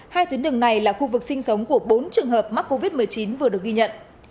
hai tuyến đường này là khu vực sinh sống của bốn trường hợp mắc covid một mươi chín vừa được ghi nhận